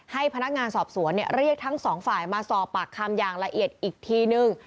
ให้พนักงานสอบสวนเรียกทั้งสองฝ่ายมาสอบปากคำอย่างละเอียดอีกทีนึง